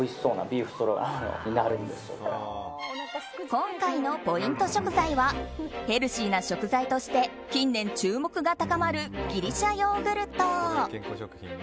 今回のポイント食材はヘルシーな食材として近年、注目が高まるギリシャヨーグルト。